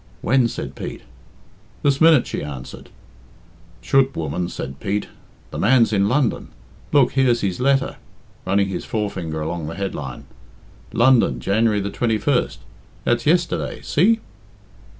"When?" said Pete. "This minute," she answered. "Chut! woman," said Pete; "the man's in London. Look, here's his letter" running his forefinger along the headline '"London, January 21st that's yesterday. See!"